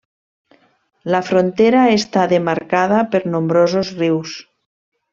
La frontera està demarcada per nombrosos rius.